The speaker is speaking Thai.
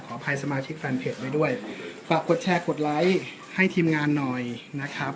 อภัยสมาชิกแฟนเพจไว้ด้วยฝากกดแชร์กดไลค์ให้ทีมงานหน่อยนะครับ